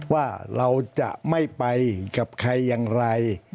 ว่าเราจะไม่ไปกับใครอย่างไร